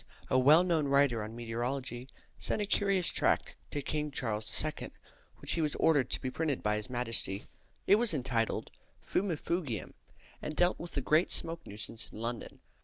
a well known writer on meteorology, sent a curious tract to King Charles II., which was ordered to be printed by his Majesty. It was entitled "Fumifugium," and dealt with the great smoke nuisance in London.